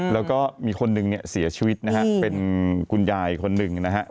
แล้วก็มีคนหนึ่งเนี่ยเสียชีวิตนะฮะเป็นคุณยายคนหนึ่งนะฮะ